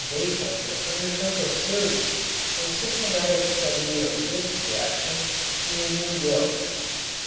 Baekeland undertook a serious and systematic study of this reaction in New York.